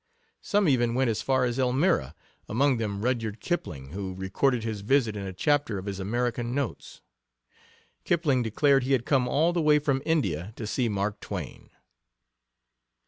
Some even went as far as Elmira, among them Rudyard Kipling, who recorded his visit in a chapter of his American Notes. Kipling declared he had come all the way from India to see Mark Twain.